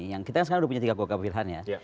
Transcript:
yang kita sekarang sudah punya tiga kgp wilhan ya